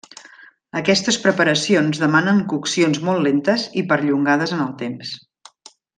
Aquestes preparacions demanen coccions molt lentes i perllongades en el temps.